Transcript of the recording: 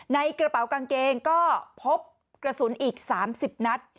ในกระเป๋ากางเกงก็พบกระสุนอีก๓๐นัด